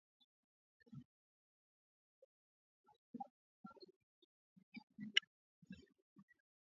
Uthibitisho wa awali wa ugonjwa wa kimeta ni kupepesuka na kutetemeka